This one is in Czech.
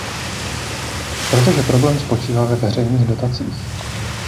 Protože problém spočívá ve veřejných dotacích.